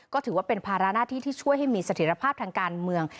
ก็ถือว่าเป็นภาระหน้าที่ที่ช่วยให้มีเสถียรภาพทางการเมือง